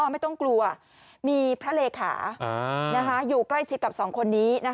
ไม่ต้องกลัวมีพระเลขาอยู่ใกล้ชิดกับสองคนนี้